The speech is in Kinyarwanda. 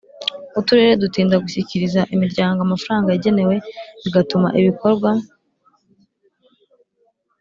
Uturere dutinda gushyikiriza imiryango amafaranga yagenewe bigatuma ibikorwa